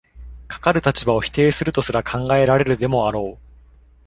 かかる立場を否定するとすら考えられるでもあろう。